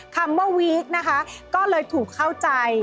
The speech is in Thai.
คำว่าวีคนะคะก็เลยถูกเข้าใจ